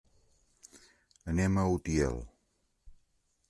Anem a Utiel.